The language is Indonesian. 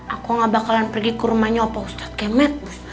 aku gak bakalan pergi ke rumahnya opo ustad kemet bus